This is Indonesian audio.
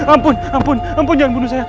ampun ampun ampun jangan bunuh saya